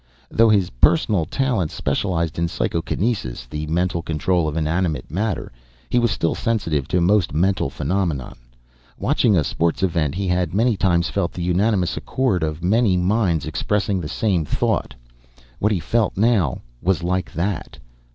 Though his personal talents specialized in psychokinesis the mental control of inanimate matter he was still sensitive to most mental phenomena. Watching a sports event he had many times felt the unanimous accord of many minds expressing the same thought. What he felt now was like that.